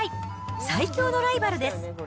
最強のライバルです。